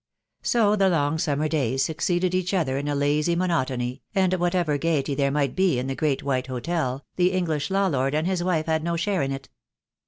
So the long summer days succeeded each other in a lazy monotony, and whatever gaiety there might be in the great white hotel, the English law lord and his wife had no share in it.